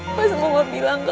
kalau zaman kelima ya